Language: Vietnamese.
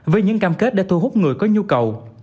với những cam kết để thu hút người có nhu cầu